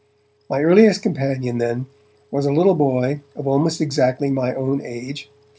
My earliest companion, then, was a little boy of almost exactly my own age.